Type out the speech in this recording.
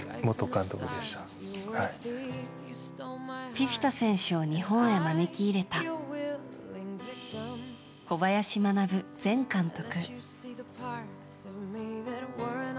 フィフィタ選手を日本に招き入れた小林学前監督。